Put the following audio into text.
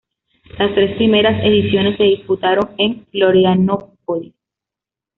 Las tres primeras ediciones se disputaron en Florianópolis.